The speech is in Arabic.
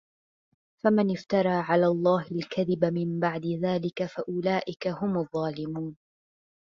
فَمَنِ افْتَرَى عَلَى اللَّهِ الْكَذِبَ مِنْ بَعْدِ ذَلِكَ فَأُولَئِكَ هُمُ الظَّالِمُونَ